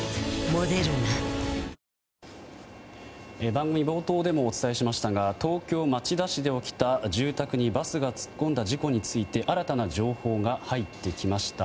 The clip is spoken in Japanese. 番組冒頭でもお伝えしましたが東京・町田市で起きた住宅にバスが突っ込んだ事故について新たな情報が入ってきました。